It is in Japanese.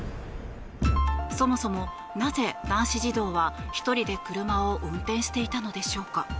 そもそもなぜ男子児童は１人で車を運転していたのでしょうか。